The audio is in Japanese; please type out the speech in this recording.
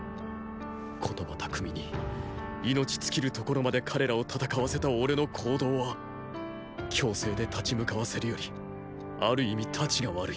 言葉巧みに命尽きるところまで彼らを戦わせた俺の行動は強制で立ち向かわせるよりある意味たちが悪い。